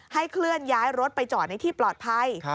เคลื่อนย้ายรถไปจอดในที่ปลอดภัย